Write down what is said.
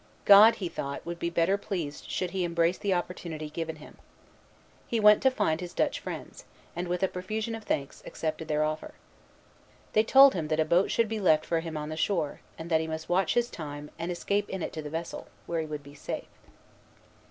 God, he thought, would be better pleased should he embrace the opportunity given him. He went to find his Dutch friends, and, with a profusion of thanks, accepted their offer. They told him that a boat should be left for him on the shore, and that he must watch his time, and escape in it to the vessel, where he would be safe. Buteux, Narré, MS.